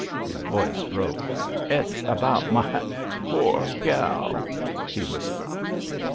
His voice broke. 'It's about my poor gal,' he whispered.